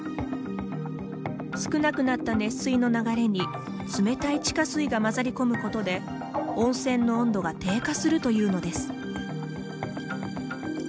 少なくなった熱水の流れに冷たい地下水が混ざり込むことで温泉の温度が低下するというのです。